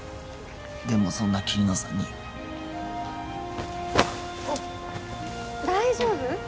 でもそんな桐野さんに大丈夫？